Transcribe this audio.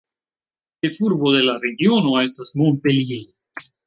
Ĉefurbo de la regiono estas Montpellier.